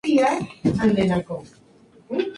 Es el nieto de la actriz del cine mexicano Kitty de Hoyos.